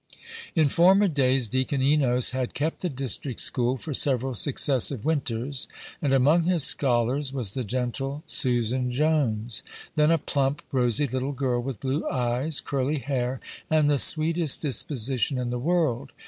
In former days, Deacon Enos had kept the district school for several successive winters, and among his scholars was the gentle Susan Jones, then a plump, rosy little girl, with blue eyes, curly hair, and the sweetest disposition in the world.